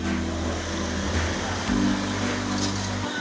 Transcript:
kawasan wisata ancol mulai beroperasi pukul enam pagi hingga sembilan malam setiap hari